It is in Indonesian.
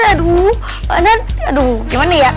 aduh gimana ya